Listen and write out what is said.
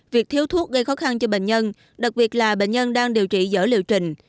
việc thiếu thuốc gây khó khăn cho bệnh nhân đặc biệt là bệnh nhân đang điều trị dở liệu trình